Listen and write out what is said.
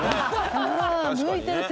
向いてる。